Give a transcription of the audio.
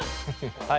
はい。